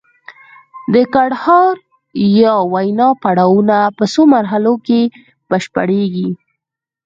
د ګړهار یا وینا پړاوونه په څو مرحلو کې بشپړیږي